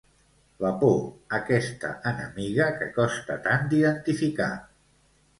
La por, aquesta enemiga que costa tant d'indentificar.